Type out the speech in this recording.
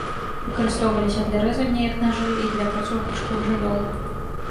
Выкарыстоўваліся для рэзання, як нажы, і для апрацоўкі шкур жывёл.